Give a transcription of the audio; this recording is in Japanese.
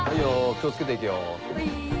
気を付けて行けよ。